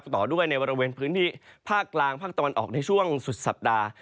ต่อด้วยในบริเวณพื้นที่ภาคกลางภาคตะวันออกในช่วงสุดสัปดาห์